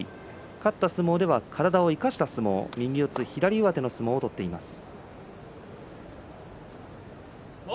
勝った相撲では体を生かした相撲右四つ、左上手の相撲を待ったなし。